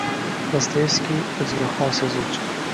Dostoevkiy o’ziga xos yozuvchi.